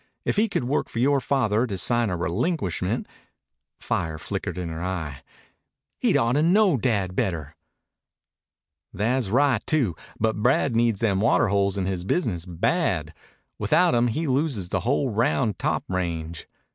"If he could work yore father to sign a relinquishment " Fire flickered in her eye. "He'd ought to know Dad better." "Tha's right too. But Brad needs them water holes in his business bad. Without 'em he loses the whole Round Top range.